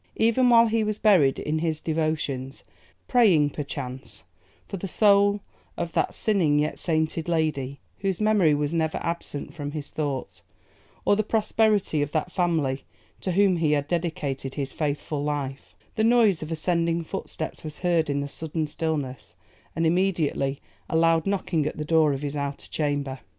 Even while he was buried in his devotions, praying perchance for the soul of that sinning yet sainted lady whose memory was never absent from his thoughts, or the prosperity of that family to whom he had dedicated his faithful life, the noise of ascending footsteps was heard in the sudden stillness, and immediately a loud knocking at the door of his outer chamber.